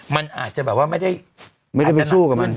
มันอาจจะแบบว่าไม่ได้ไปสู้กับมัน